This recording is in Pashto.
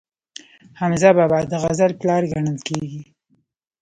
حمزه بابا د غزل پلار ګڼل کیږي.